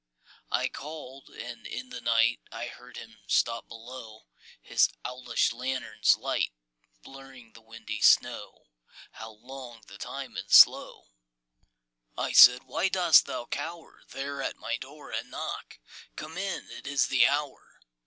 I called. And in the night I heard him stop below, His owlish lanthorn's light Blurring the windy snow How long the time and slow! I said, _Why dost thou cower There at my door and knock? Come in! It is the hour!